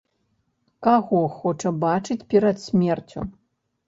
Каго хоча бачыць перад смерцю?